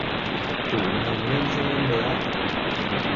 Tủ mền lên cho em bé